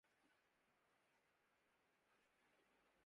بچھڑ گیا تو بظاہر کوئی ملال نہیں